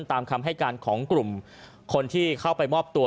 ตามคำให้การของกลุ่มคนที่เข้าไปมอบตัว